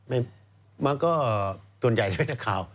ไม่มันก็ส่วนใหญ่จะเป็นนักข่าว